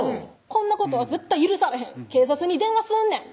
「こんなことは絶対許されへん警察に電話すんねん」